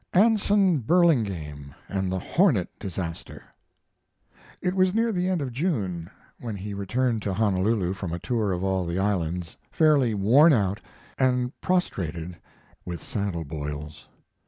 ANSON BURLINGAME AND THE "HORNET" DISASTER It was near the end of June when he returned to Honolulu from a tour of all the islands, fairly worn out and prostrated with saddle boils.